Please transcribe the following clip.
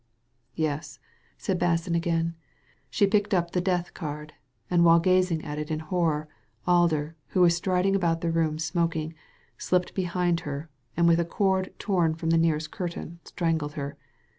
"Yes," said Basson again, "she picked up the death^card, and while gazing at it in horror Alder, who was striding about the room smoking, slipped behind her, and with a cord torn from the nearest curtain, strangled her.